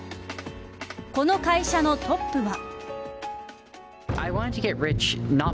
この会社のトップは。